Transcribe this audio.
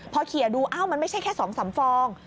พอเคลียร์ดูอ้าวมันไม่ใช่แค่๒๓ฟอง